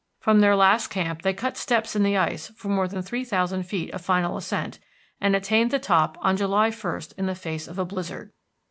From their last camp they cut steps in the ice for more than three thousand feet of final ascent, and attained the top on July 1 in the face of a blizzard.